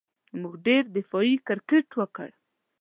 موږ ډېر دفاعي کرېکټ وکړ.